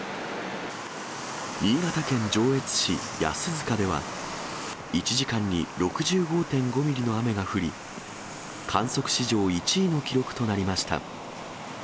新潟県上越市安塚では、１時間に６５．５ミリの雨が降り、観測史上１位の記録となりました。